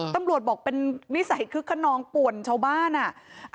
ตำรวจบอกเป็นนิสัยคึกขนองป่วนชาวบ้านอ่ะ